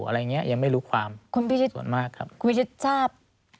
อะไรอย่างเงี้ยยังไม่รู้ความส่วนมากครับคุณพิเศษคุณพิเศษทราบ